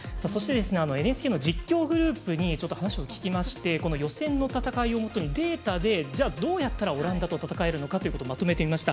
ＮＨＫの実況グループに話を聞きまして予選の戦いをもとにデータでどうやったらオランダと戦えるかというのをまとめてみました。